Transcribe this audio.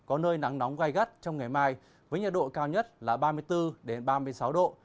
có nơi nắng nóng gai gắt trong ngày mai với nhiệt độ cao nhất là ba mươi bốn ba mươi sáu độ